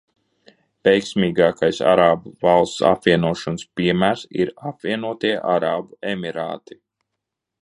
Veiksmīgākais arābu valstu apvienošanās piemērs ir Apvienotie arābu emirāti.